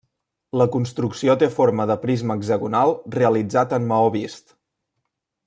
La construcció té forma de prisma hexagonal realitzat en maó vist.